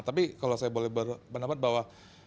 tapi kalau saya boleh berpendapat bahwa